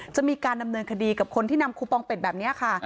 จะมีการดำเนินคดีกับคนที่นำคูปองเป็ดแบบนี้ค่ะ